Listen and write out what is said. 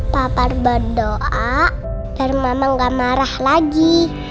papa berdoa biar mama gak marah lagi